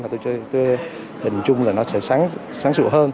là tôi hình dung là nó sẽ sáng rõ hơn